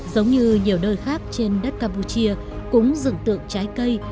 giống như nhiều nơi khác trên đất campuchia cũng dựng tượng trái cây